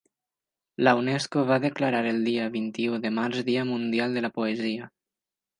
La Unesco va declarar el dia vint-i-u de març Dia Mundial de la Poesia.